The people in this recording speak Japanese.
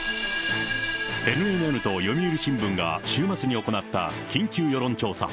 ＮＮＮと読売新聞が週末に行った緊急世論調査。